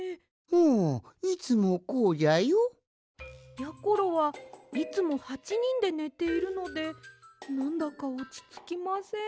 んいつもこうじゃよ。やころはいつも８にんでねているのでなんだかおちつきません。